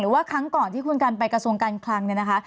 ว่าครั้งก่อนที่คุณกันไปกระทรวงการคลังเนี่ยนะคะ